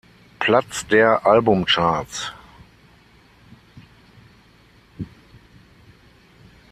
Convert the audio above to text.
Platz der Albumcharts.